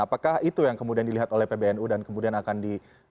apakah itu yang kemudian dilihat oleh pbnu dan kemudian akan di